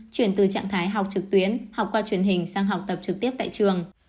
chuyển từ trạng thái học trực tuyến học qua truyền hình sang học tập trực tiếp tại trường